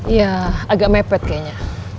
iya agak mepet kayaknya